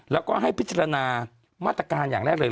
แล้วก็ให้พิจารณามาตรการอย่างแรกเลย